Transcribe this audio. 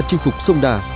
chinh phục sông đà